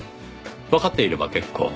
わかっていれば結構。